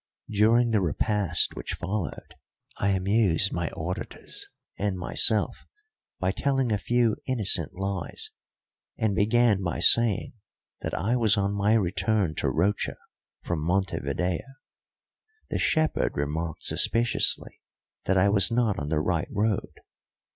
During the repast which followed I amused my auditors, and myself, by telling a few innocent lies, and began by saying that I was on my return to Rocha from Montevideo. The shepherd remarked suspiciously that I was not on the right road.